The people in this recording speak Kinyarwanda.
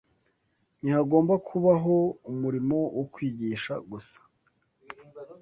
Ntihagomba kubaho umurimo wo kwigisha gusa